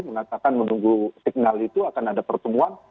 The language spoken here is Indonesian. mengatakan menunggu signal itu akan ada pertemuan